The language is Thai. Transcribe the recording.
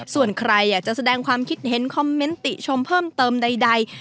ส่วนใครอยากจะแสดงความคิดเห็นคอมเมนต์ติชมเพิ่มเติมใด